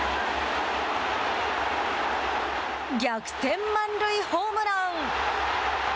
逆転満塁ホームラン！